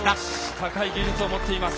高い技術を持っています。